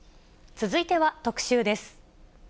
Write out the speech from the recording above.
続いては特集です。